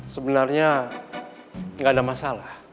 sebenarnya gak ada masalah